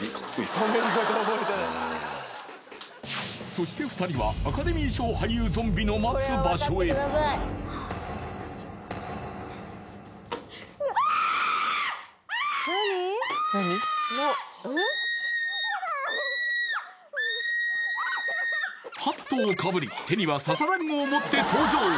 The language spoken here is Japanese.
そして２人はアカデミー賞俳優ゾンビの待つ場所へハットをかぶり手には笹団子を持って登場